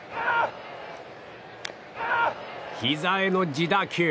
ひざへの自打球。